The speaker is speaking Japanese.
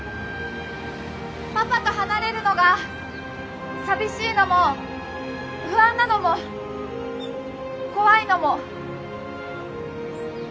パパと離れるのが寂しいのも不安なのも怖いのも！